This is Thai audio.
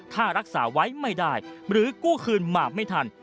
ถ้ารักษาไว้ไม่ได้หรือกู้คืนมาไม่ทัน